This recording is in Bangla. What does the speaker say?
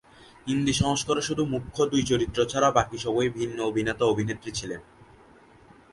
হিন্দি সংস্করণে শুধু মুখ্য দুই চরিত্র ছাড়া বাকি সবাই ভিন্ন অভিনেতা-অভিনেত্রী ছিলেন।